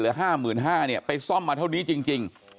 เหลือ๕๕๐๐๐บาทไปซ่อมมาเท่านี้จริง